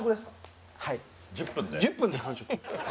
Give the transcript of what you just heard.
１０分で完食？